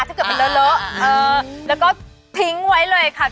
ถ้าเกิดมันเลอะแล้วก็ทิ้งไว้เลยค่ะ